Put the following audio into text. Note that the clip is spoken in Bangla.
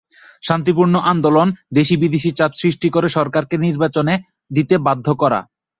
শান্তিপূর্ণ আন্দোলন, দেশি-বিদেশি চাপ সৃষ্টি করে সরকারকে নির্বাচন দিতে বাধ্য করা।